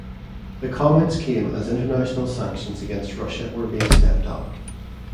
The comments came as international sanctions against Russia were being stepped up.